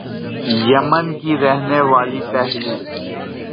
یمن کی رہنے والی پہلی